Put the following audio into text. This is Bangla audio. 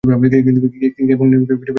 এবং, নিওকে খুঁজে বের করাটাই আমার লক্ষ্য!